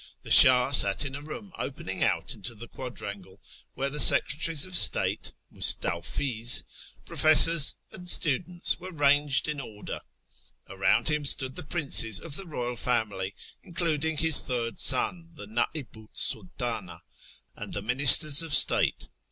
The Shah sat in a room opening out into the quadrangle, where the secretaries of state (mustawfls), professors, and students were ranged in order. Around him stood the princes of the royal family, including his third son, the Nd'ihu 's Saltana, and the ministers of state.